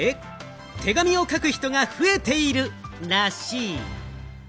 手紙を書く人が増えているらしい。